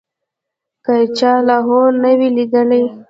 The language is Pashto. که چا لاهور نه وي لیدلی.